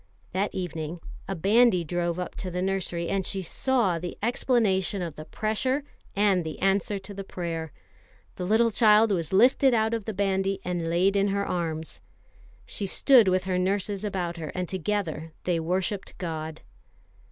That evening a bandy drove up to the nursery, and she saw the explanation of the pressure and the answer to the prayer. A little child was lifted out of the bandy, and laid in her arms. She stood with her nurses about her, and together they worshipped God.